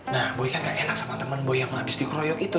nah boy kan ga enak sama temen boy yang abis dikroyok itu